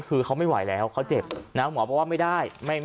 คือเขาไม่ไหวแล้วเขาเจ็บนะหมอบอกว่าไม่ได้